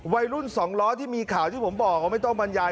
วัยรุ่นสองล้อที่มีข่าวที่ผมบอกว่าไม่ต้องบรรยาย